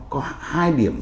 có hai điểm